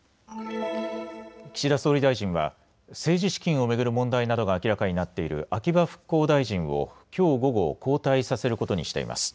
岸田総理大臣は政治資金を巡る問題などが明らかになっている秋葉復興大臣をきょう午後、交代させることにしています。